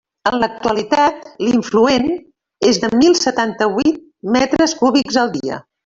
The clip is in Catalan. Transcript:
En l'actualitat, l'influent és de milt setanta-huit metres cúbics al dia.